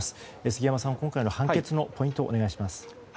杉山さん、今回の判決のポイントをお願いします。